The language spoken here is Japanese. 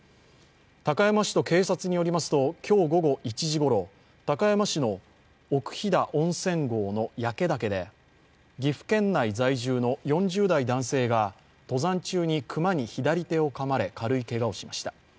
高山市と警察に寄りますと今日午後１時ごろ高山市の奥飛騨温泉郷で岐阜県内在住の４０代男性が登山中に熊に左手をかまれ軽いけがをしました。